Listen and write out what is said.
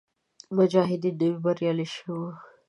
مجاهدین نوي بریالي شوي وو.